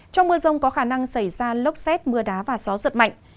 trong mưa rông có khả năng xảy ra lốc xét mưa đá và gió giật mạnh